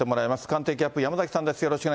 官邸キャップ、山崎さんです。